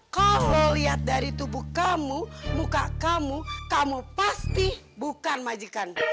kalau lihat dari tubuh kamu muka kamu kamu pasti bukan majikan